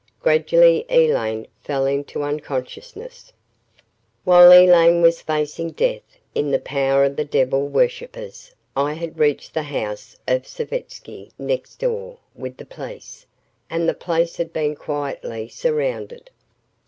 Gradually Elaine fell into unconsciousness. ........ While Elaine was facing death in the power of the devil worshippers, I had reached the house of Savetsky next door with the police, and the place had been quietly surrounded.